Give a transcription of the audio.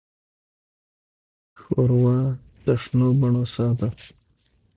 ښوروا د شنو بڼو ساه ده.